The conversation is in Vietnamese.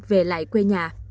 về lại quê nhà